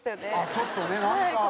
ちょっとねなんか。